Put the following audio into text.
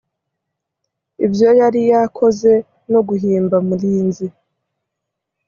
ibyo yari yakoze no guhimba mulinzi